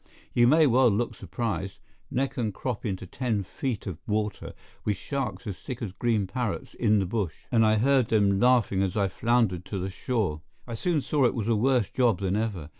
You may well look surprised—neck and crop into ten feet of water, with sharks as thick as green parrots in the bush, and I heard them laughing as I floundered to the shore. I soon saw it was a worse job than ever.